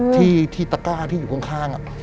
ที่ตะก้าที่อยู่ข้าง